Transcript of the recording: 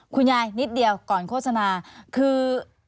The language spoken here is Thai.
คุณยายนิดเดียวก่อนโฆษณาคือ